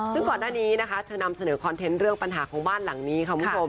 ซึ่งก่อนหน้านี้นะคะเธอนำเสนอคอนเทนต์เรื่องปัญหาของบ้านหลังนี้ค่ะคุณผู้ชม